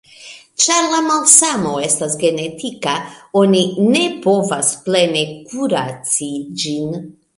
Ĉar la malsano estas genetika, oni ne povas plene kuraci ĝin.